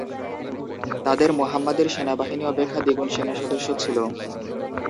তাদের মুহাম্মাদের সেনাবাহিনী অপেক্ষা দ্বিগুণ সেনা সদস্য ছিল।